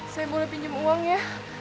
saya boleh pinjam uang ya